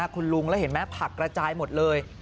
คุณลุงแล้วเห็นไหมผักกระจายหมดเลย